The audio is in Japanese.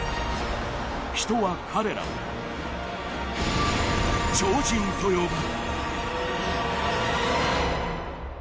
人は彼らを超人と呼ぶ。